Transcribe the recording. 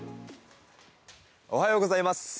おはようございます。